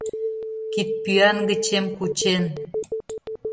Кидпӱан гычем кучен